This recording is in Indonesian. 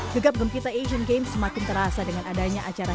gegap gempita asian games semakin terasa dengan adanya acara